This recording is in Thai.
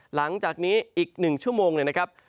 หลังจากนี้อีก๑ชั่วโมงเนี่ยนะครับ